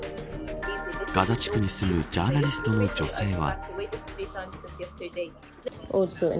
ガザ地区に住むジャーナリストの女性は。